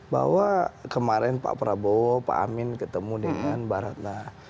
bahwa kemarin pak prabowo pak amin ketemu dengan baratna